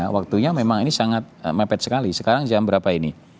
waktunya memang ini sangat mepet sekali sekarang jam berapa ini